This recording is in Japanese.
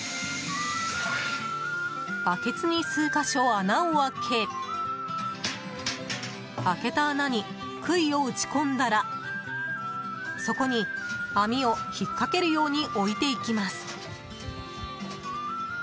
バケツに数か所、穴を開け開けた穴に杭を打ち込んだらそこに網を引っかけるように置いていきます。